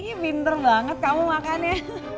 ih pinter banget kamu makan ya